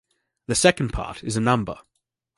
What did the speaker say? The second part is a number.